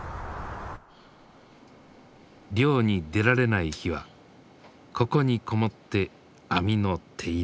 漁に出られない日はここに籠もって網の手入れ。